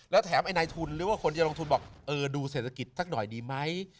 แล้วแถมไอ้นายทุนหรือว่าคนจะลงทุนบอกเออดูเศรษฐกิจสักหน่อยดีไหม